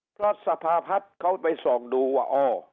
เพราะสภาพัฒน์เขาไปส่องดูว่าอ๋อ